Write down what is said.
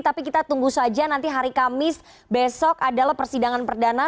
tapi kita tunggu saja nanti hari kamis besok adalah persidangan perdana